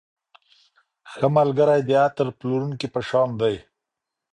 ښه ملګری د عطر پلورونکي په شان دی.